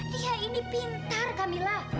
dia ini pintar kamila